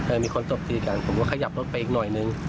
มีคนตบตีกันผมก็ขยับรถไปอีกหน่อยนึง